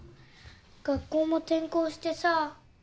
学校も転校してさ。